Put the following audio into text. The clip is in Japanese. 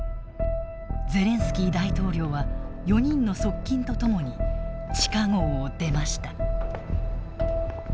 ゼレンスキー大統領は４人の側近と共に地下壕を出ました。